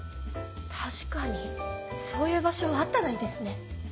確かにそういう場所あったらいいですね。